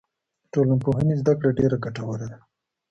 د ټولنپوهنې زده کړه ډېره ګټوره ده.